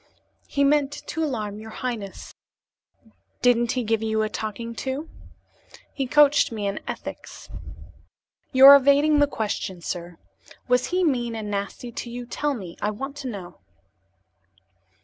"He meant to alarm your highness." "Didn't he give you a talking to?" "He coached me in ethics." "You are evading the question, sir. Was he mean and nasty to you? Tell me; I want to know."